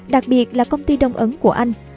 đặc biệt là công ty đông ấn của anh